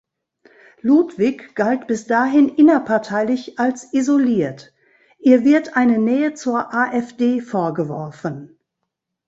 Ludwig galt bis dahin innerparteilich als isoliert; ihr wird eine Nähe zur AfD vorgeworfen.